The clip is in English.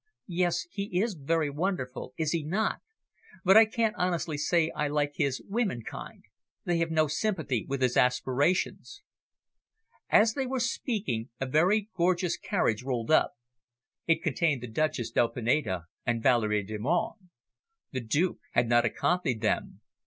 "Yes, he is very wonderful, is he not? But I can't honestly say I like his womenkind. They have no sympathy with his aspirations." As they were speaking, a very gorgeous carriage rolled up. It contained the Duchess del Pineda and Valerie Delmonte. The Duke had not accompanied them.